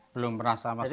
belum pernah sama sekali